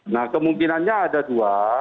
nah kemungkinannya ada dua